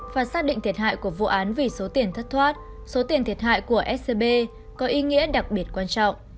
và xác định thiệt hại của vụ án vì số tiền thất thoát số tiền thiệt hại của scb có ý nghĩa đặc biệt quan trọng